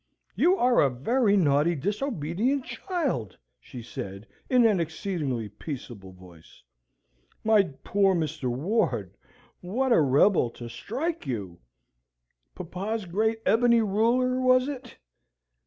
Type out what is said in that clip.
"You are a very naughty disobedient child," she said, in an exceedingly peaceable voice. "My poor Mr. Ward! What a rebel, to strike you! Papa's great ebony ruler, was it?